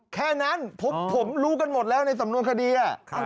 แค่นั้นผมรู้กันหมดแล้วในสำนวนคดี